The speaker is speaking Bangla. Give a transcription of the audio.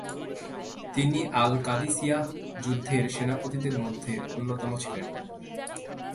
তিনি আল-কাদিসিয়াহ যুদ্ধের সেনাপতিদের মধ্যে অন্যতম ছিলেন।